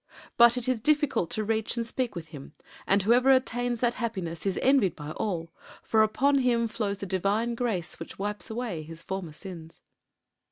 But it is difficult to reach and speak with him, and whoever attains that happiness is envied by all, for upon him flows the divine grace which wipes away his former sins."